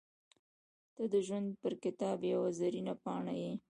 • ته د ژوند پر کتاب یوه زرینه پاڼه یې.